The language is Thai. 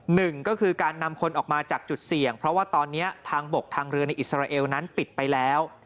หนึ่งก็คือการนำคนออกมาจากจุดเสี่ยงเพราะว่าตอนนี้ทางบกทางเรือในอิสราเอลนั้นปิดไปแล้ว